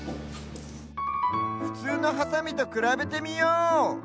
ふつうのハサミとくらべてみよう！